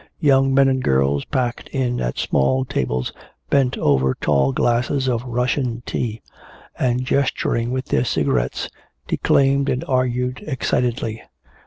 Young men and girls packed in at small tables bent over tall glasses of Russian tea, and gesturing with their cigarettes declaimed and argued excitedly.